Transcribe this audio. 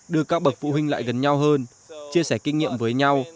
đưa các bậc phụ huynh lại gần nhau hơn chia sẻ kinh nghiệm với nhau